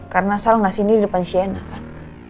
karena sal gak sini di depan sienna kan